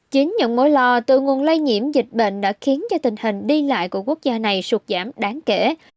chính những mối lo từ nguồn lây nhiễm dịch bệnh đã khiến cho tình hình đi lại của quốc gia này sụt giảm đáng kể